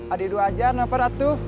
ada dua aja kenapa datu